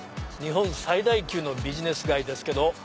日本最大級のビジネス街ですけど。